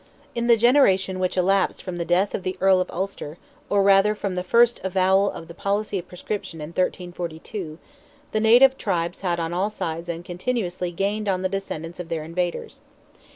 In the generation which elapsed from the death of the Earl of Ulster, or rather from the first avowal of the policy of proscription in 1342, the native tribes had on all sides and continuously gained on the descendants of their invaders.